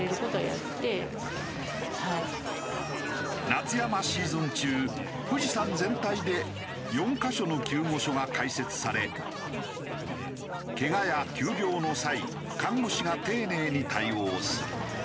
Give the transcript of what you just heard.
夏山シーズン中富士山全体で４カ所の救護所が開設されけがや急病の際看護師が丁寧に対応する。